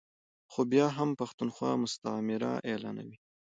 خو بیا هم پښتونخوا مستعمره اعلانوي ا